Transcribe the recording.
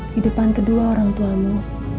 di depan kedua orangtuamu